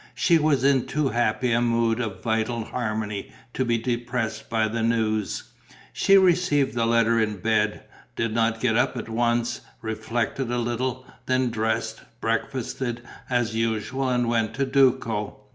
She was in too happy a mood of vital harmony to be depressed by the news. She received the letter in bed, did not get up at once, reflected a little, then dressed, breakfasted as usual and went to Duco.